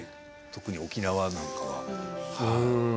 特に沖縄なんかは。